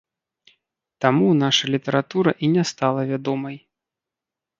Таму наша літаратура і не стала вядомай.